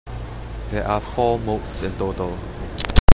There are four moults in total.